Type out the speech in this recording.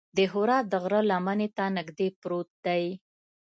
د حرا د غره لمنې ته نږدې پروت دی.